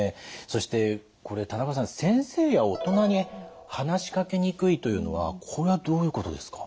そしてこれ田中さん先生や大人に話しかけにくいというのはこれはどういうことですか？